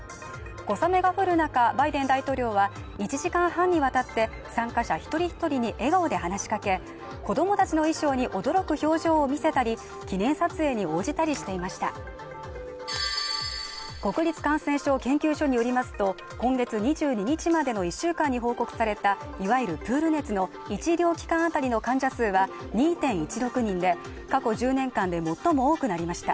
小雨が降る中バイデン大統領は１時間半にわたって参加者一人ひとりに笑顔で話しかけ子どもたちの衣装に驚く表情を見せたり記念撮影に応じたりしていました国立感染症研究所によりますと今月２２日までの１週間に報告されたいわゆるプール熱の１医療機関当たりの患者数は２．１６人で過去１０年間で最も多くなりました